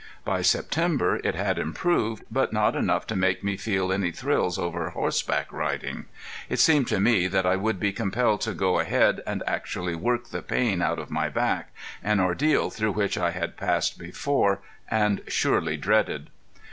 By September it had improved, but not enough to make me feel any thrills over horseback riding. It seemed to me that I would be compelled to go ahead and actually work the pain out of my back, an ordeal through which I had passed before, and surely dreaded.